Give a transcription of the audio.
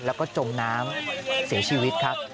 แล้วก็จมน้ำเสียชีวิตครับ